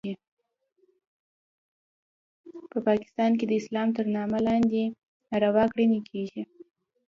په پاکستان کې د اسلام تر نامه لاندې ناروا کړنې کیږي